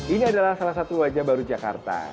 ini adalah salah satu wajah baru jakarta